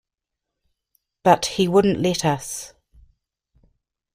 But he wouldn't let us.